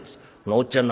「おっちゃん